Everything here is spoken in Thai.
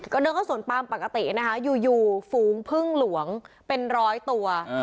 ก็เดินเข้าสวนปามปกตินะคะอยู่ฝูงพึ่งหลวงเป็นร้อยตัว